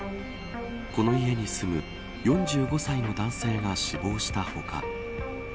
この家に住む４５歳の男性が死亡した他